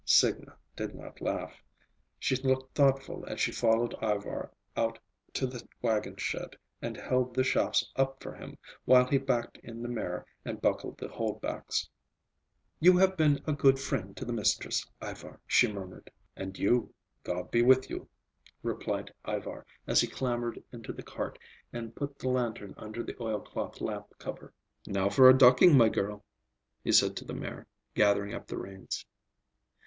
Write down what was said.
Signa did not laugh. She looked thoughtful as she followed Ivar out to the wagon shed and held the shafts up for him, while he backed in the mare and buckled the hold backs. "You have been a good friend to the mistress, Ivar," she murmured. "And you, God be with you," replied Ivar as he clambered into the cart and put the lantern under the oilcloth lap cover. "Now for a ducking, my girl," he said to the mare, gathering up the reins.